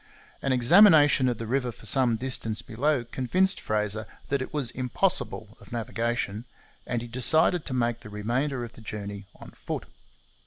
An examination of the river for some distance below convinced Fraser that it was impossible of navigation, and he decided to make the remainder of the journey on foot.